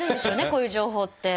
こういう情報って。